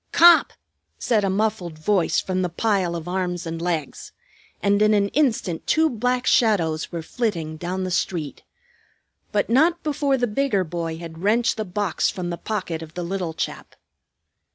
"Cop!" said a muffled voice from the pile of arms and legs, and in an instant two black shadows were flitting down the street; but not before the bigger boy had wrenched the box from the pocket of the little chap.